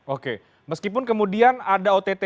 oke meskipun kemudian ada ott